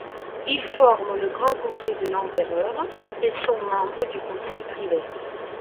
Ils forment le grand conseil de l’Empereur et sont membres du conseil privé.